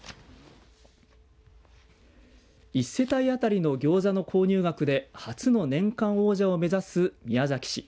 １世帯当たりのギョーザの購入額で初の年間王者を目指す宮崎市。